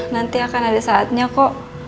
nanti akan ada saatnya kok